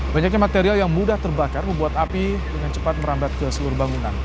banyaknya material yang mudah terbakar membuat api dengan cepat merambat ke seluruh bangunan